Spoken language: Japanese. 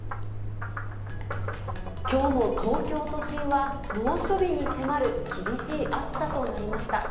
きょうも東京都心は猛暑日に迫る厳しい暑さとなりました。